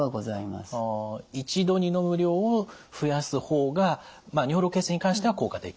一度に飲む量を増やす方が尿路結石に関しては効果的。